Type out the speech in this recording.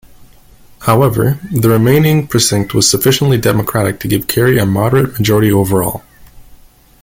However, the remaining precinct was sufficiently Democratic to give Kerry a moderate majority overall.